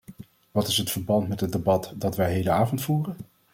Wat is het verband met het debat dat wij hedenavond voeren?